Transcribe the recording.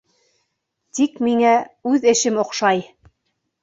Тик миңә... үҙ эшем оҡшай!